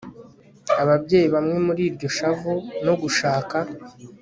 Ababyeyi bamwe muri iryo shavu no gushaka